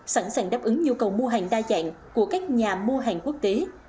sẵn sàng đáp ứng nhu cầu mua hàng đa dạng của các nhà mua hàng quốc tế